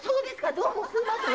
どうもすいません。